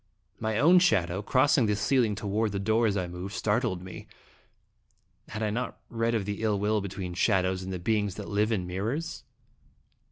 My own shadow, crossing the ceiling toward the door as I moved, startled me. Had I not read of the ill will between shadows and the beings that live in mirrors?